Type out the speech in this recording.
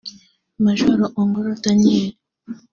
Majoro Ongoro Daniel